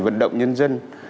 vận động nhân dân